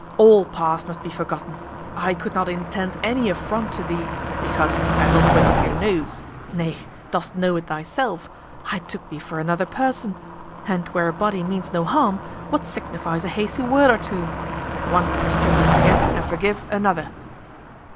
all past must be forgotten; I could not intend any affront to thee, because, as Allworthy here knows, nay, dost know it thyself, I took thee for another person; and where a body means no harm, what signifies a hasty word or two? One Christian must forget and forgive another."